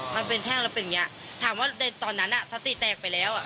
มันเป็นแท่งแล้วเป็นอย่างนี้ถามว่าในตอนนั้นสติแตกไปแล้วอ่ะ